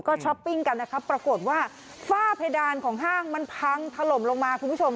ก็ช้อปปิ้งกันนะครับปรากฏว่าฝ้าเพดานของห้างมันพังถล่มลงมาคุณผู้ชม